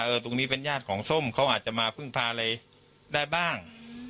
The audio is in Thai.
ตรงนี้เป็นญาติของส้มเขาอาจจะมาพึ่งพาอะไรได้บ้าง